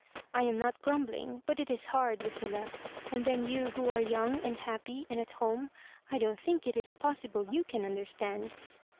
I am not grumbUng, but it is hard, Lucilla ; and then you who are young, and happy, and at home, I don^t think it is possible you can understand."